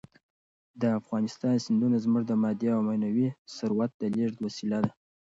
د افغانستان سیندونه زموږ د مادي او معنوي ثروت د لېږد وسیله ده.